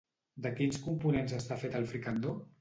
De quins components està fet el fricandó?